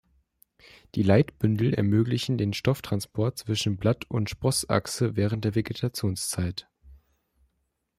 Die Leitbündel ermöglichen den Stofftransport zwischen Blatt und Sprossachse während der Vegetationszeit.